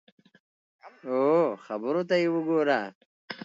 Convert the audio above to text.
او خبرو ته یې وګوره !